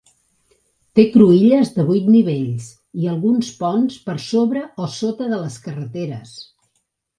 Té cruïlles de vuit nivells i alguns ponts per sobre o sota de les carreteres.